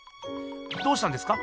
どうしたんですか？